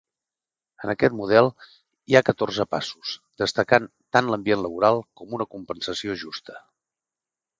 En aquest model hi ha catorze passos, destacant tant l'ambient laboral com una compensació justa.